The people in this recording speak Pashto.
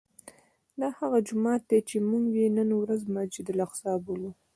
دا هغه جومات دی چې موږ یې نن ورځ مسجد الاقصی بولو.